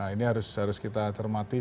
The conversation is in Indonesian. ini harus kita cermati